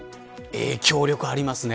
影響力ありますね。